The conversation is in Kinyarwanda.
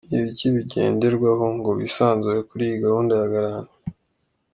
Ni ibiki bigenderwaho ngo wisanzure kuri iyi gahunda ya garanti? .